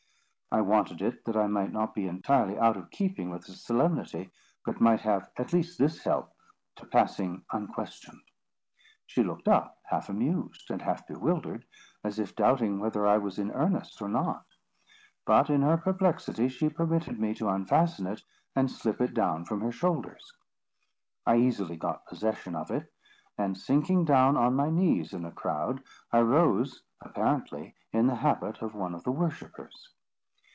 I wanted it, that I might not be entirely out of keeping with the solemnity, but might have at least this help to passing unquestioned. She looked up, half amused and half bewildered, as if doubting whether I was in earnest or not. But in her perplexity, she permitted me to unfasten it, and slip it down from her shoulders. I easily got possession of it; and, sinking down on my knees in the crowd, I rose apparently in the habit of one of the worshippers.